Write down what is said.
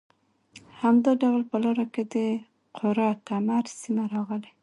همدا ډول په لاره کې د قره کمر سیمه راغلې